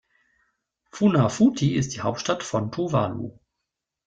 Funafuti ist die Hauptstadt von Tuvalu.